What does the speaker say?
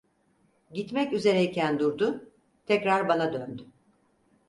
Gitmek üzereyken durdu, tekrar bana döndü.